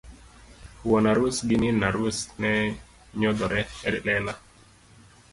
Wuon arus gi min arus ne nyodhore e lela.